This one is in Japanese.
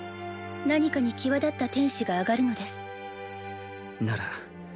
何かに際立った天使が上がるのですなら